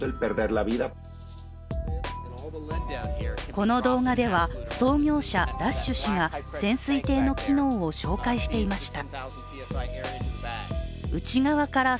この動画では、創業者・ラッシュ氏が潜水艇の機能を紹介していました。